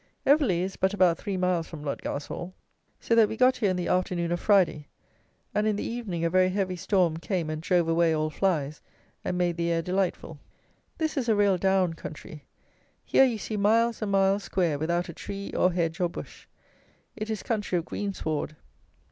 Everley is but about three miles from Ludgarshall, so that we got here in the afternoon of Friday: and, in the evening a very heavy storm came and drove away all flies, and made the air delightful. This is a real Down country. Here you see miles and miles square without a tree, or hedge, or bush. It is country of green sward.